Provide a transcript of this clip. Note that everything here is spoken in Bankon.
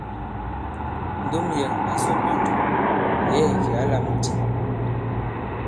Ndom yɛ̀ŋ ǎ sɔ̀ myɔnjɔ̀, yɛ̌ɛ̀ kì ǎ lām tî.